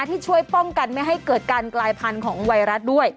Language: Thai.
ที่ช่วยป้องกันไม่ให้เกิดการกลายพันธุ์ของไวรัสด้วย